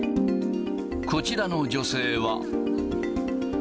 こちらの女性は。